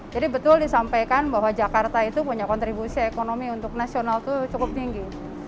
jadi betul disampaikan bahwa jakarta itu punya kontribusi ekonomi untuk nasional itu cukup tinggi